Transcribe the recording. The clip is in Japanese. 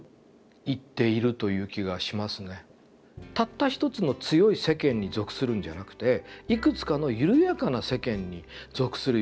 たった一つの強い世間に属するんじゃなくていくつかの緩やかな世間に属するようにしませんかっていうのが僕の提案です。